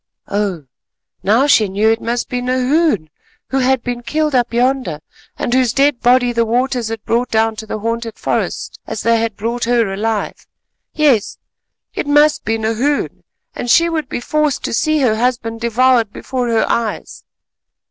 Oh! now she knew; it must be Nahoon, who had been killed up yonder, and whose dead body the waters had brought down to the haunted forest as they had brought her alive. Yes, it must be Nahoon, and she would be forced to see her husband devoured before her eyes.